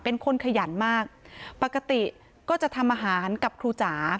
เป็นคนขยันมากปกติก็จะทำอาหารกับครูจ๋า